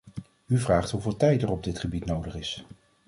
U vraagt hoeveel tijd er op dit gebied nodig is.